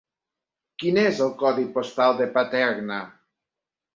Quin és el codi postal de Paterna?